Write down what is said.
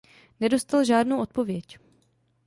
Nedostal žádnou odpověď.